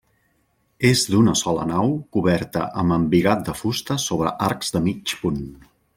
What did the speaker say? És d'una sola nau coberta amb embigat de fusta sobre arcs de mig punt.